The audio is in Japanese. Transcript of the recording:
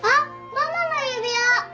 ママの指輪！